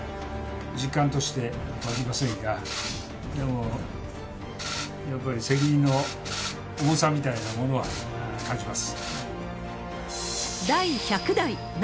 実感として湧きませんが、でも、やっぱり責任の重さみたいなものは感じます。